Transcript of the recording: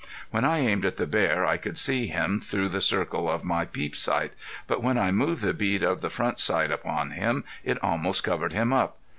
When I aimed at the bear I could see him through the circle of my peep sight, but when I moved the bead of the front sight upon him it almost covered him up.